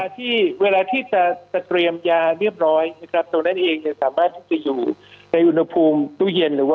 ที่เวลาที่จะเตรียมยาเรียบร้อยนะครับตรงนั้นเองสามารถที่จะอยู่ในอุณหภูมิตู้เย็นหรือว่า